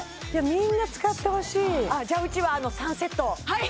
みんな使ってほしいじゃうちは３セットお願いしますはい！